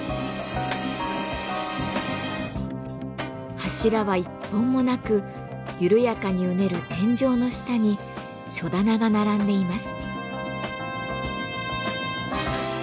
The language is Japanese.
柱は一本もなく緩やかにうねる天井の下に書棚が並んでいます。